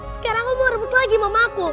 sekarang aku mau merebut lagi mama aku